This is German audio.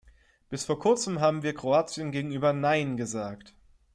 Bis vor kurzem haben wir Kroatien gegenüber "Nein" gesagt.